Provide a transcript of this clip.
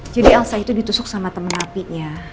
jadi elsa itu ditusuk sama temen apinya